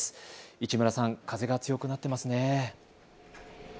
市村さん風が強くなっていますね。